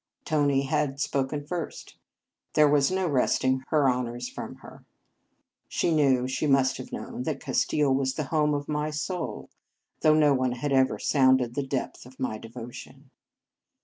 Tony had " spoken first." There was no wresting her honours from her. She knew, she must have known that Castile was the home of my soul, though no one had ever sounded the depth of my devotion.